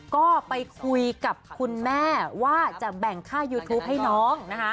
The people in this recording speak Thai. ก็ไปคุยกับคุณแม่ว่าจะแบ่งค่ายูทูปให้น้องนะคะ